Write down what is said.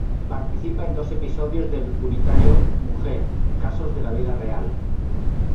Participa en dos episodios del unitario "Mujer, casos de la vida real".